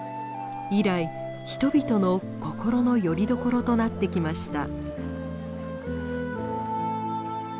以来人々の心のよりどころとなってきました。